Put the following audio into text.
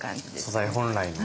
素材本来の。